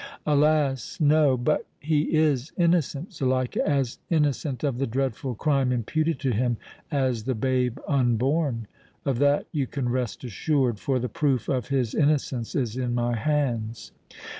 "Alas! no! But he is innocent, Zuleika, as innocent of the dreadful crime imputed to him as the babe unborn! Of that you can rest assured, for the proof of his innocence is in my hands!"